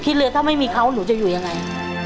เลยถ้าไม่มีเขาหนูจะอยู่ยังไง